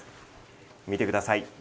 見てください。